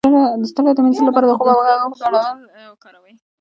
د ستړیا د مینځلو لپاره د خوب او اوبو ګډول وکاروئ